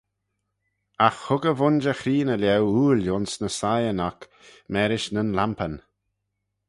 Agh hug y vooinjer chreeney lhieu ooil ayns ny siyn oc mârish nyn lampyn.